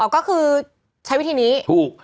ก็คือใช้วิธีนี้ถูก